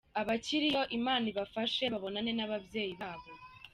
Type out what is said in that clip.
Abakiriyo- Imana ibafashe babonane n'ababyeyi babo.